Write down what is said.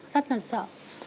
rất là sợ